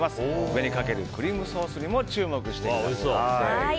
上にかけるクリームソースにも注目してください。